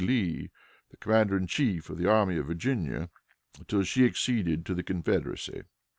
Lee, the commander in chief of the Army of Virginia, until she acceded to the Confederacy.